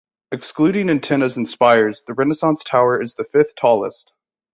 Excluding antennas and spires, the Renaissance Tower is the fifth-tallest.